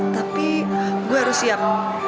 tapi gue harus siap